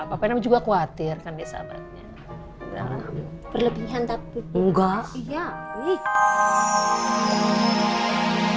api hari ini mereka bersenang senang